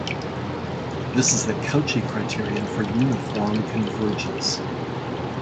This is the Cauchy criterion for uniform convergence.